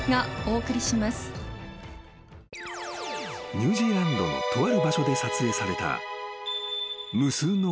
［ニュージーランドのとある場所で撮影された］